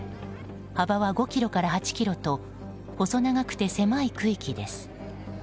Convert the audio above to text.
幅は５ｋｍから８ｋｍと細長くて狭い区域です。